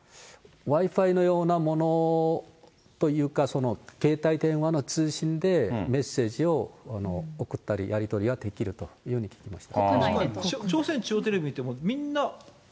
Ｗｉ−Ｆｉのようなものというか、携帯電話の通信で、メッセージを送ったり、やり取りはできるというように聞きました。